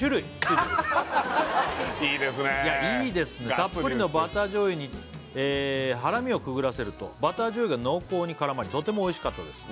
いいですねいやいいです「たっぷりのバター醤油にハラミをくぐらせると」「バター醤油が濃厚に絡まりとてもおいしかったです」